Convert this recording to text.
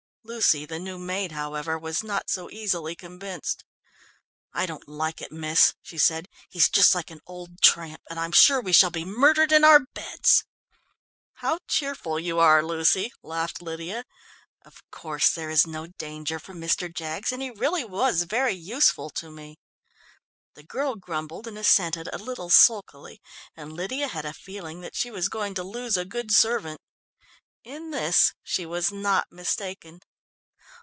Lucy, the new maid, however, was not so easily convinced. "I don't like it, miss," she said, "he's just like an old tramp, and I'm sure we shall be murdered in our beds." "How cheerful you are, Lucy," laughed Lydia. "Of course, there is no danger from Mr. Jaggs, and he really was very useful to me." The girl grumbled and assented a little sulkily, and Lydia had a feeling that she was going to lose a good servant. In this she was not mistaken.